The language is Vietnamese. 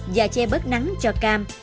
và che bớt nắng cho cam